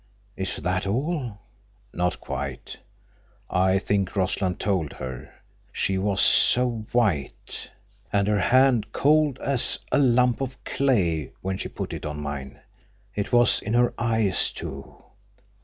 "Is that all?" "Not quite. I think Rossland told her. She was so white. And her hand cold as a lump of clay when she put it on mine. It was in her eyes, too.